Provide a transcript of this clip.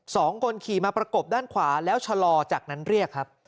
สองคนขี่มาประกบด้านขวาแล้วชะลอจากนั้นเรียกครับ